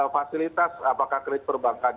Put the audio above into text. fasilitas apakah kredit perbankan